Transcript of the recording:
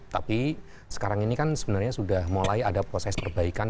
tapi sekarang ini kan sebenarnya sudah mulai ada proses perbaikan